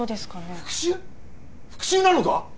復讐なのか？